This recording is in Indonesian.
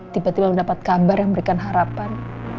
tiba tiba mendapat kabar yang memberikan harapan